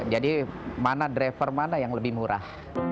jadi mana driver mana yang lebih murah